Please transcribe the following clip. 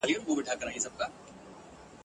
تا بېشکه ګولۍ نه دي چلولي ..